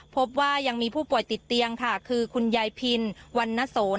พบว่ายังมีผู้ป่วยติดเตียงค่ะคือคุณยายพินวันนโสน